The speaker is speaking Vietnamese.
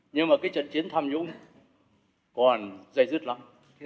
nhưng mà cái trận chiến tham nhũng còn dây dứt lắm